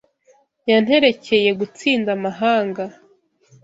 Yanterekeye gutsinda amahanga!